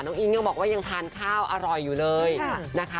อิ๊งยังบอกว่ายังทานข้าวอร่อยอยู่เลยนะคะ